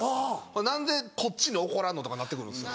何でこっちに怒らんの？とかなってくるんですよ。